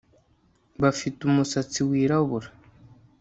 Bafite umusatsi wirabura